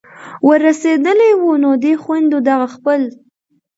ور رسېدلي وو نو دې خویندو دغه خپل